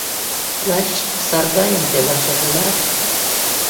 Лач Сардайын пелашыже улат...